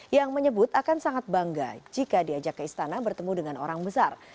yang menyebut akan sangat bangga jika diajak ke istana bertemu dengan orang besar